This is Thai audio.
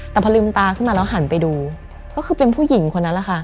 แต่พอลืมตาขึ้นมาแล้วหันไปดูก็คือเป็นผู้หญิงคนนั้นแหละค่ะ